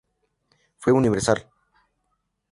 Fue universal.